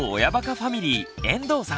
ファミリー遠藤さん。